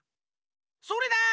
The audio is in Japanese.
それだ！